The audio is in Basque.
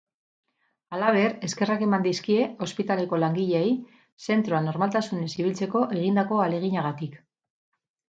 Halaber, eskerrak eman dizkie ospitaleko langileei, zentroa normaltasunez ibiltzeko egindako ahaleginagatik.